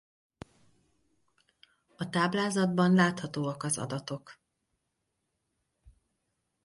A táblázatban láthatóak az adatok.